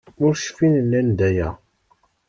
Ur cfin nnan-d aya.